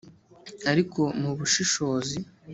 ariko mu bushishozi